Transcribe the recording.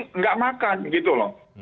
tidak makan gitu loh